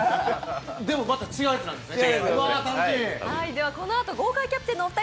でも、また違うやつなんですね。